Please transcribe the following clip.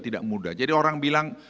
tidak mudah jadi orang bilang